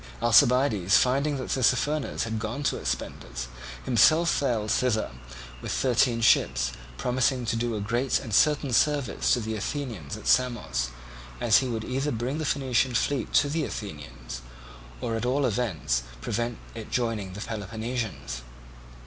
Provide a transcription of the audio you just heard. Alcibiades finding that Tissaphernes had gone to Aspendus, himself sailed thither with thirteen ships, promising to do a great and certain service to the Athenians at Samos, as he would either bring the Phoenician fleet to the Athenians, or at all events prevent its joining the Peloponnesians.